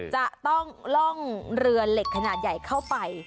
จะต้องล่องเรือเหล็กขนาดใหญ่เข้าไป